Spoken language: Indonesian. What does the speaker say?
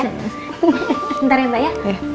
bentar ya mbak ya